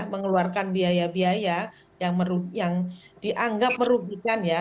mengeluarkan biaya biaya yang dianggap merugikan ya